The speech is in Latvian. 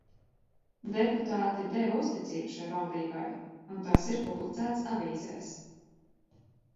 Deputāti deva uzticību šai valdībai, un tas ir publicēts avīzēs.